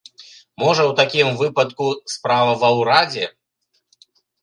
Можа, у такім выпадку, справа ва ўрадзе?